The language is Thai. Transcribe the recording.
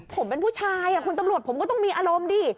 ผมเป็นผู้ชายคุณตำรวจผมก็ต้องมีอารมณ์ดิ